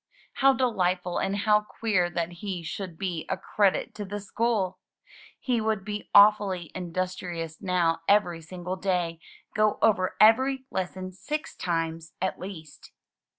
How delightful and how queer that he should be a credit to the school!" He would be awfully indus trious now every single day; go over every lesson six times, at least.